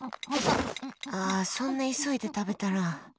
そんな急いで食べたら。